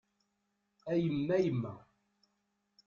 A yemma yemma!